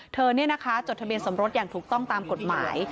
เธอจดทะเบียนสมรสอย่างถูกต้องตามกฎหมาย